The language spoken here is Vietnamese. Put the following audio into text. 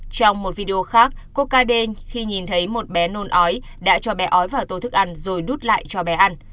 trong một video khác cô cadein khi nhìn thấy một bé nôn ói đã cho bé ói vào tổ thức ăn rồi đút lại cho bé ăn